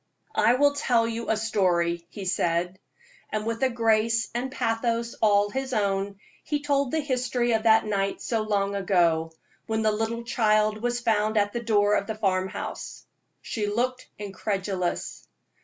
"I will tell you a story," he said. And with a grace and pathos all his own, he told the history of that night so long ago, when the little child was found at the door of the farm house. She looked incredulous.